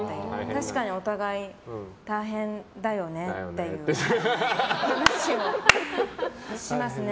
確かにお互い大変だよねっていう話をしますね。